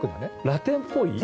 ラテンっぽい